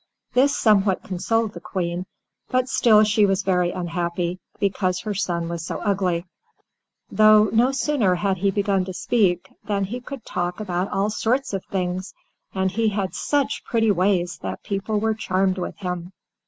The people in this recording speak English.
This somewhat consoled the Queen, but still she was very unhappy because her son was so ugly, though no sooner had he begun to speak than he could talk about all sorts of things, and he had such pretty ways that people were charmed with him.